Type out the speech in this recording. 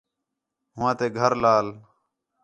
ہوآں تے گھر لال